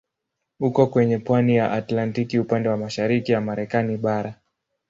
Uko kwenye pwani ya Atlantiki upande wa mashariki ya Marekani bara.